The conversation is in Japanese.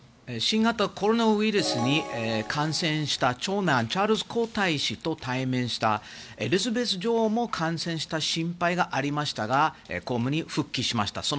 新型コロナウイルスに感染した長男チャールズ皇太子と対面したエリザベス女王も感染した心配がありましたが公務に復帰しました。